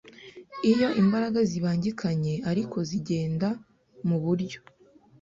Iyo imbaraga zibangikanye ariko zigenda muburyo